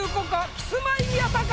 キスマイ宮田か？